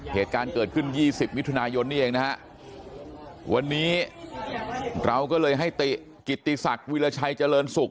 เหตุการณ์เกิดขึ้น๒๐มิถุนายนนี่เองนะฮะวันนี้เราก็เลยให้ติกิติศักดิ์วิราชัยเจริญสุข